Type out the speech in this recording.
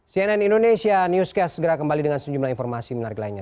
cnn indonesia newscast segera kembali dengan sejumlah informasi menarik lainnya